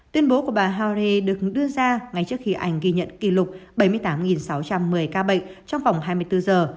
tuyên bố của bà hare được đưa ra ngay trước khi anh ghi nhận kỷ lục bảy mươi tám sáu trăm một mươi ca bệnh trong vòng hai mươi bốn giờ